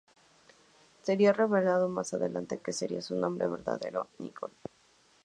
Sería revelado más adelante que sería su nombre verdadero Nicole.